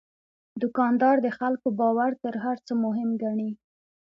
دوکاندار د خلکو باور تر هر څه مهم ګڼي.